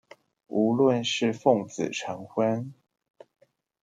無論是奉子成婚